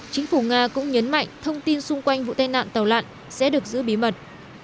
chính phủ nga cũng nhấn mạnh thông tin xung quanh vụ tai nạn tàu lặn sẽ được giữ bí mật